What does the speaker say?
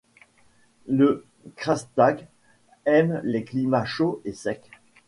Le Krstač aime les climats chauds et secs.